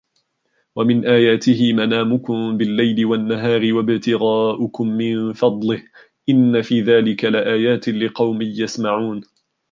وَمِنْ آيَاتِهِ مَنَامُكُمْ بِاللَّيْلِ وَالنَّهَارِ وَابْتِغَاؤُكُمْ مِنْ فَضْلِهِ إِنَّ فِي ذَلِكَ لَآيَاتٍ لِقَوْمٍ يَسْمَعُونَ